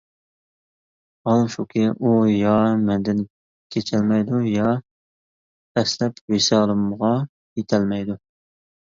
ھال شۇكى، ئۇ يا مەندىن كېچەلمەيدۇ، يا پەسلەپ ۋىسالىمغا يېتەلمەيدۇ.